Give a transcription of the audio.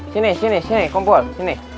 sini sini sini kompor sini